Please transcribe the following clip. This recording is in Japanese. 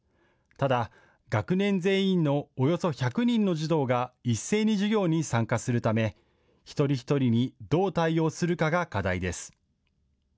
ただ、学年全員のおよそ１００人の児童が一斉に授業に参加するため一人一人にどう対応するかが課題です。